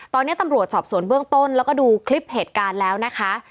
ตอนนี้ตำรวจสอบสวนเบื้องต้นแล้วก็ดูคลิปเหตุการณ์แล้วนะคะ